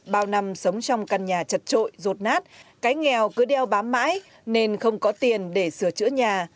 bao năm sống trong căn nhà chật trội rột nát cái nghèo cứ đeo bám mãi nên không có tiền để sửa chữa nhà